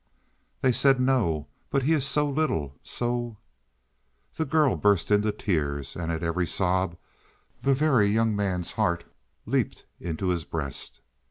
"They said no. But he is so little so " The girl burst into tears, and at every sob the Very Young Man's heart leaped in his breast.